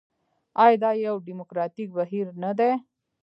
آیا دا یو ډیموکراټیک بهیر نه دی؟